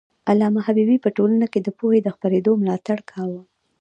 علامه حبيبي په ټولنه کي د پوهې د خپرېدو ملاتړ کاوه.